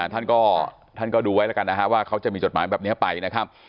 ท่านก็ดูไว้แล้วกันนะฮะว่าเขาจะมีจดหมายแบบนี้ไปนะครับ